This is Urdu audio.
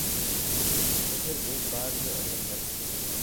تو پھر ایک بار یہ عزم ہے